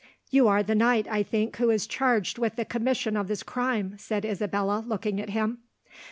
"You are the knight, I think, who is charged with the commission of this crime," said Isabella, looking at him.